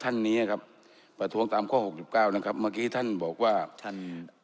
ท่านเนี้ยครับประทวงตามข้อ๖๙นะครับเมื่อกี้ท่านบอกว่าท่าน